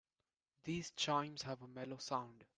These chimes have a mellow sound.